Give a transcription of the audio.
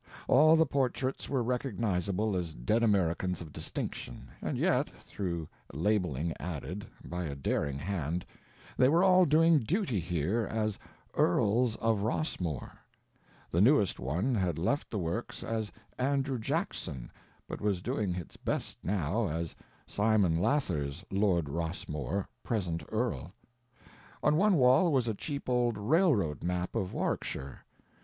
All the portraits were recognizable as dead Americans of distinction, and yet, through labeling added, by a daring hand, they were all doing duty here as "Earls of Rossmore." The newest one had left the works as Andrew Jackson, but was doing its best now, as "Simon Lathers Lord Rossmore, Present Earl." On one wall was a cheap old railroad map of Warwickshire.